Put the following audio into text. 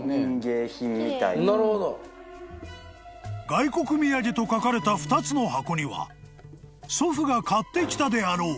［「外国土産」と書かれた２つの箱には祖父が買ってきたであろう］